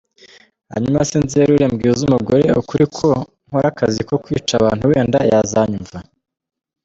Hanyuma se nzerure mbwize umugore ukuri ko nkora akazi ko kwica abantu wenda yazanyumva?